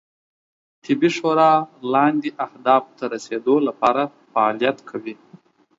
طبي شورا لاندې اهدافو ته رسیدو لپاره فعالیت کوي